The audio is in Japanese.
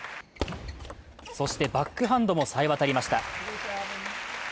そして、バックハンドもさえわたりました。